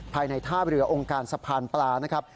ภายในท่าเรือองค์การสะพานปลานะครับ